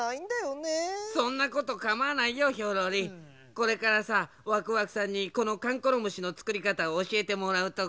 これからさワクワクさんにこのかんころむしのつくりかたをおしえてもらうところなんだ。